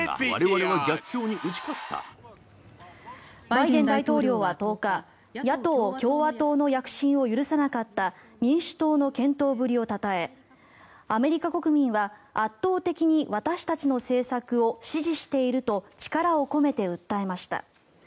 バイデン大統領は１０日野党・共和党の躍進を許さなかった民主党の健闘ぶりをたたえアメリカ国民は圧倒的に私たちの政策を支持していると力を込めて訴えました。